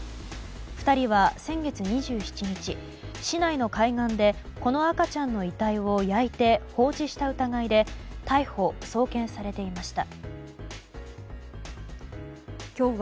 ２人は、先月２７日市内の海岸でこの赤ちゃんの遺体を焼いて放置した疑いで逮捕・送検されていました。